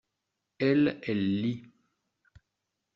Elle, elle lit.